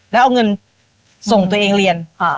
แล้วเอาเงินส่งตัวเองเรียน